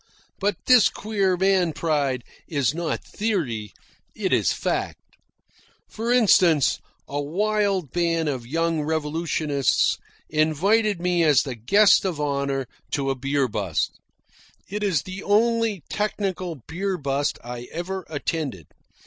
But this queer man pride is no theory. It is a fact. For instance, a wild band of young revolutionists invited me as the guest of honour to a beer bust. It is the only technical beer bust I ever attended.